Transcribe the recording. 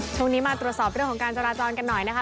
ช่วงนี้มาตรวจสอบเรื่องของการจราจรกันหน่อยนะคะ